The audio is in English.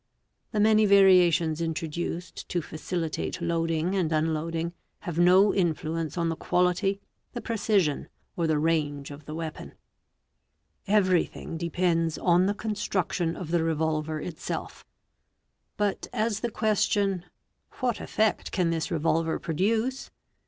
The many variations introduced to facilitate load 'ing and unloading have no influence on the quality, the precision, or the 'range of the weapon. Every thing depends on the construction of the ( PEER AP EID: I PRTIEN re revolver itself. But as the question, 'What effect can this revolver _ produce